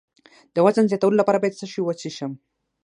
د وزن زیاتولو لپاره باید څه شی وڅښم؟